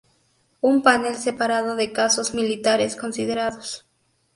Un panel separado de casos militares considerados.